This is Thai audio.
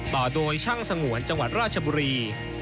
ต่อโดยช่างสงวนจังหวัดราชบุรี